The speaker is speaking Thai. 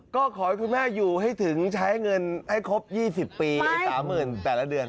ก็ขอให้คุณแม่อยู่ให้ถึงใช้เงินให้ครบ๒๐ปีไอ้๓๐๐๐แต่ละเดือน